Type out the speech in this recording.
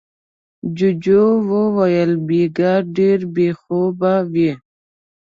جوجو وويل: بېګا ډېر بې خوبه وې.